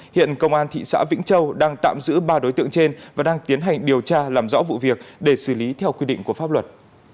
hiện công an thị xã vĩnh châu đang tạm giữ ba đối tượng trên và đang tiến hành điều tra làm rõ vụ việc để xử lý theo quy định của pháp luật